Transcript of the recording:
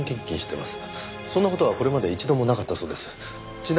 そんな事はこれまで一度もなかったそうです。